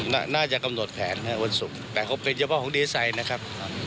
จับให้ได้ครับนะฮะไม่ใช่เรื่องหวังหรือไม่หวังนะครับ